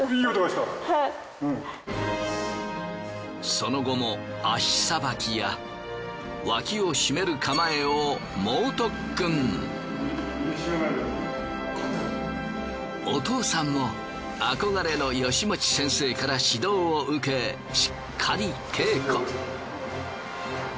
その後も足さばきや脇を締める構えをお父さんも憧れの吉用先生から指導を受けしっかり稽古。